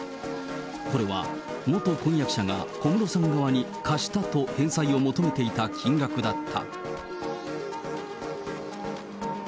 これは元婚約者が小室さん側に貸したと返済を求めていた金額だった。